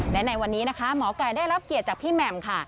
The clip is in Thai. และในวันนี้นะคะหมอไก่ได้รับเกียรติจากพี่แหม่มค่ะ